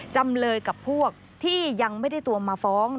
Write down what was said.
จำเลยกับพวกที่ยังไม่ได้ตัวมาฟ้อง